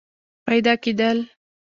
پیدا کېدل